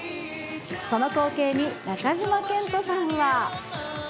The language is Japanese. その光景に中島健人さんは。